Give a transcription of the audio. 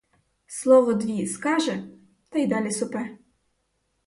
Слово-дві скаже, та й далі сопе.